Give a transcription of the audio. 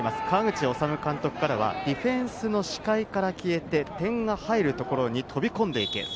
川口修監督からはディフェンスの視界から消えて点が入るところに飛び込んでいけ！